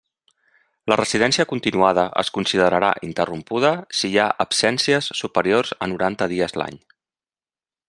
La residència continuada es considerarà interrompuda si hi ha absències superiors a noranta dies l'any.